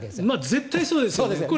絶対そうですよね。